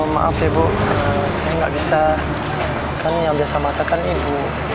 maaf ya bu saya nggak bisa kan yang biasa masakan ibu